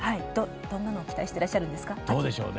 どんなのを期待してらっしゃるんですか？